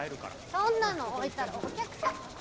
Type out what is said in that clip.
そんなの置いたらお客さん。